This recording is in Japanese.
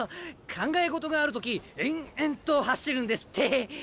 考え事がある時延々と走るんですって。